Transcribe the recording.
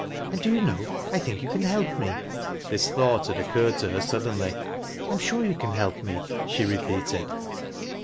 " And do you know, I think you can help me." This thought had occurred to her suddenly. " I am sure you can help me," ehe repeated.